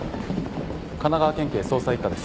神奈川県警捜査一課です。